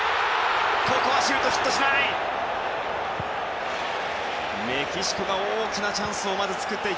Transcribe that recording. ここはシュート、ヒットしない。